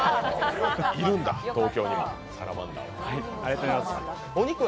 いるんだ、東京にもサラマンダーは。